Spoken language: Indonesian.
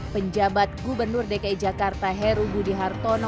penjabat gubernur dki jakarta heru budi hartono